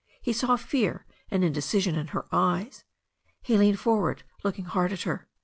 He saw fear and indecision in her eyes. He leaned for ward, looking hard at her.